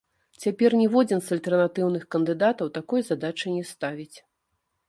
Цяпер ніводзін з альтэрнатыўных кандыдатаў такой задачы не ставіць.